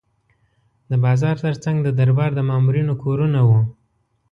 د بازار ترڅنګ د دربار د مامورینو کورونه وو.